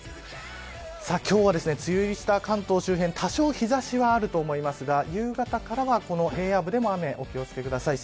今日は梅雨入りした関東周辺多少日差しはあると思いますが夕方からは、平野部でも雨にお気を付けください。